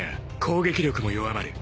攻撃力も弱まる。